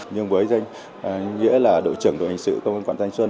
nhưng với nghĩa là đội trưởng đội hình sự công an quận thanh xuân